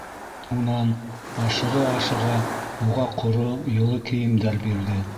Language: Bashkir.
Унан, ашыға-ашыға, уға ҡоро, йылы кейемдәр бирҙе.